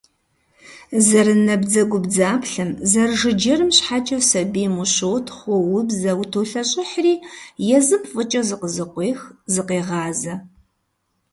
Зэрынабдзэгубдзаплъэм, зэрыжыджэрым щхьэкӀэ сабийм ущотхъу, уоубзэ, утолъэщӀыхьри, езым фӀыкӀэ зыкъызэкъуех, зыкъегъазэ.